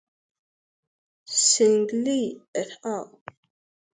Sing Lee et al.